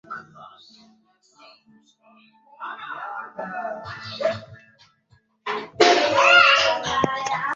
Samia amefanya uteuzi wa mabalozi uliopongezwa na wengi